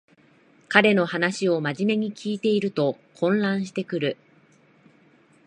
彼の話をまじめに聞いてると混乱してくる